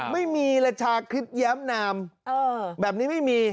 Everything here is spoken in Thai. ไม่มีละชาคริสแย้มนามแบบนี้ไม่มี